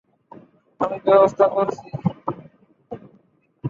আমি ব্যবস্থা করছি।